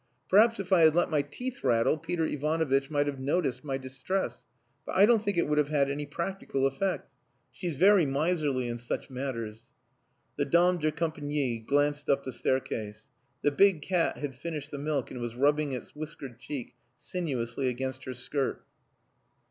Perhaps if I had let my teeth rattle Peter Ivanovitch might have noticed my distress, but I don't think it would have had any practical effect. She's very miserly in such matters." The dame de compagnie glanced up the staircase. The big cat had finished the milk and was rubbing its whiskered cheek sinuously against her skirt.